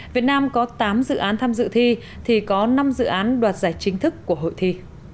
việt nam có tám dự án tham dự thi thì có năm dự án đoạt giải chính thức của hội thi